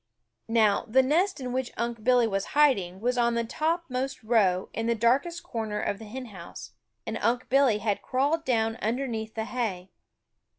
Now the nest in which Unc' Billy was hiding was on the topmost row in the darkest corner of the hen house, and Unc' Billy had crawled down underneath the hay.